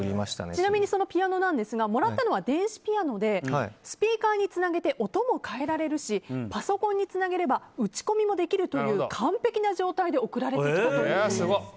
ちなみにそのピアノなんですがもらったのは電子ピアノでスピーカーにつなげて音も変えられるしパソコンにつなげれば打ち込みもできるという完璧な状態で送られてきたということです。